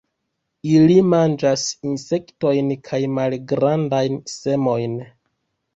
Ili manĝas insektojn kaj malgrandajn semojn.